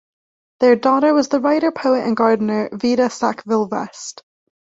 Their daughter was the writer, poet and gardener Vita Sackville-West.